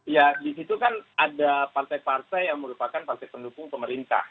ya di situ kan ada partai partai yang merupakan partai pendukung pemerintah